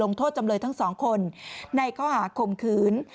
โทษจำเลยทั้งสองคนในข้อหาคมขืน